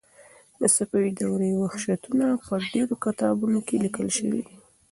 د صفوي دورې وحشتونه په ډېرو کتابونو کې لیکل شوي دي.